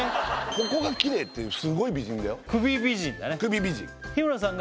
ここがきれいってすごい美人だよ